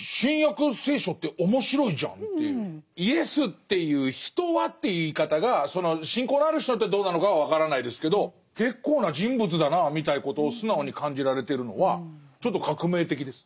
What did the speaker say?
「イエスっていう人は」という言い方がその信仰のある人にとってどうなのかは分からないですけど結構な人物だなみたいなことを素直に感じられてるのはちょっと革命的です。